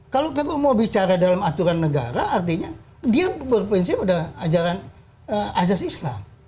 kalau kita mau bicara dalam aturan negara artinya dia berprinsip ada ajaran ajas islam